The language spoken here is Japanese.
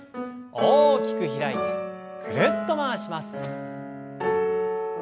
大きく開いてぐるっと回します。